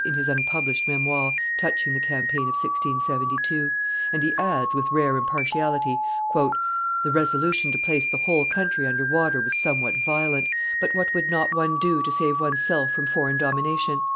in his unpublished Memoire touching the campaign of 1672, and he adds, with rare impartiality, "the resolution to place the whole country under water was somewhat violent; but what would not one do to save one's self from foreign domination?